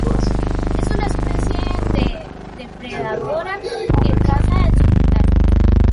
Es una especie depredadora, que caza en solitario.